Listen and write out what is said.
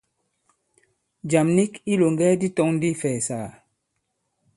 Jàm nik i ilòŋgɛ di tɔ̄ŋ ndi ifɛ̀ɛ̀sàgà.